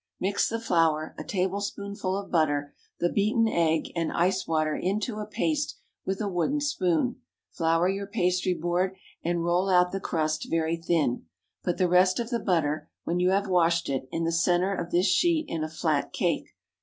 Mix the flour, a tablespoonful of butter, the beaten egg and ice water into a paste with a wooden spoon. Flour your pastry board, and roll out the crust very thin. Put the rest of the butter, when you have washed it, in the centre of this sheet, in a flat cake.